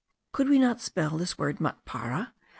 Should we not spell this word matpara?